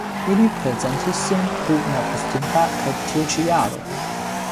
Ili prezentis sin dum la pasinta kaj tiu ĉi jaro.